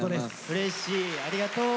うれしいありがとう！